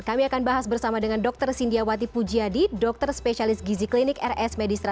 kami akan bahas bersama dengan dr sindiawati pujiadi dokter spesialis gizi klinik rs medistra